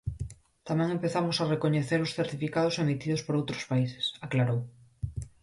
Tamén empezamos a recoñecer os certificados emitidos por outros países, aclarou.